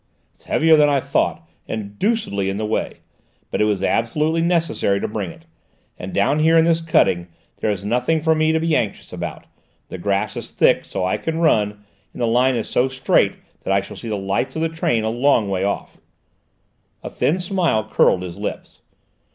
"It's heavier than I thought, and deucedly in the way. But it was absolutely necessary to bring it. And down here in this cutting, there is nothing for me to be anxious about: the grass is thick, so I can run, and the line is so straight that I shall see the lights of the train a long way off." A thin smile curled his lips.